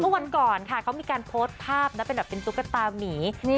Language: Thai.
เมื่อวันก่อนค่ะเขามีการโพสต์ภาพเป็นจุ๊กตาหมี่